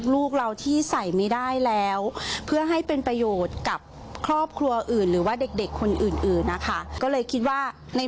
ลูกสาวคนเล็กเป็นคนคิดให้